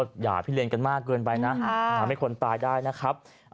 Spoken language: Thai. แล้วพอไม่ชนกันปุ๊บ